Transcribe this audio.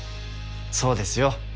そうですよ。